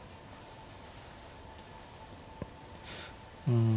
うん。